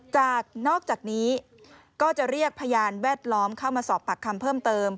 นอกจากนี้ก็จะเรียกพยานแวดล้อมเข้ามาสอบปากคำเพิ่มเติม